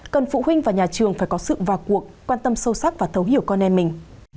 cần phụ huynh và nhà trường phải có sự vào cuộc quan tâm sâu sắc và thấu hiểu con em mình